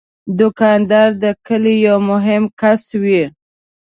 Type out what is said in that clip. دوکاندار د کلي یو مهم کس وي.